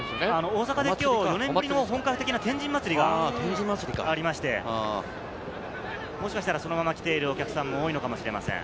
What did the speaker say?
大阪で本格的な天神祭がありまして、もしかしたら、そのまま来ているお客さんも多いのかもしれません。